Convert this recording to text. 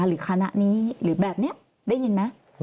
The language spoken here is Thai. หรือคณะนี้หรือแบบนี้ได้ยินไหม